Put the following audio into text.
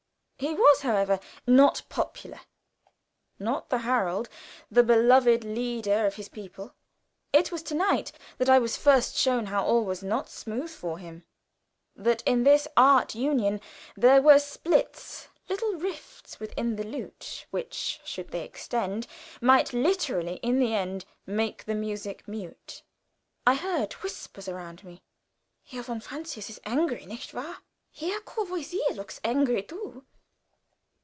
He was, however, not popular not the Harold, the "beloved leader" of his people. It was to night that I was first shown how all was not smooth for him; that in this art union there were splits "little rifts within the lute," which, should they extend, might literally in the end "make the music mute." I heard whispers around me. "Herr von Francius is angry." "Nicht wahr?" "Herr Courvoisier looks angry too."